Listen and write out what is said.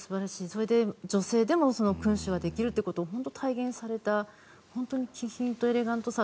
それで、女性でも君主はできるということを本当に体現された気品とエレガントさ